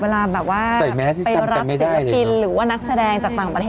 และคนก็บอกว่า